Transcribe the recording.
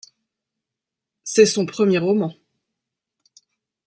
C'est son premier roman.